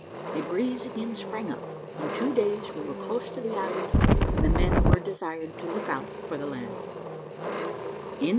A breeze again sprang up. In two days we were close to the island, and the men were desired to look out for the land.